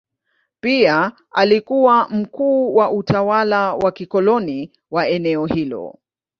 Pia alikuwa mkuu wa utawala wa kikoloni wa eneo hilo.